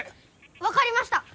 分かりました。